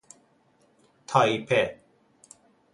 تایپه